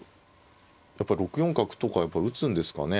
やっぱ６四角とか打つんですかね。